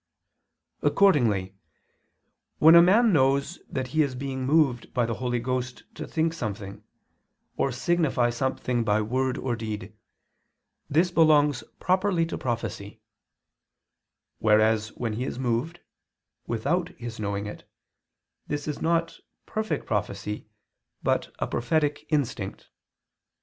Accordingly, when a man knows that he is being moved by the Holy Ghost to think something, or signify something by word or deed, this belongs properly to prophecy; whereas when he is moved, without his knowing it, this is not perfect prophecy, but a prophetic instinct.